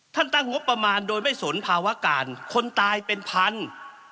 ตั้งงบประมาณโดยไม่สนภาวะการคนตายเป็นพัน